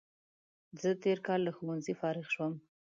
زه تېر کال له ښوونځي فارغ شوم